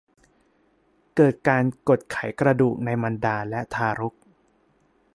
เกิดการกดไขกระดูกในมารดาและทารก